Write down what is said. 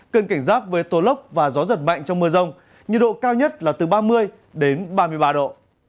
cần cảnh giác với tô lốc và gió giật mạnh trong mưa rông nhiệt độ cao nhất là từ ba mươi đến ba mươi ba độ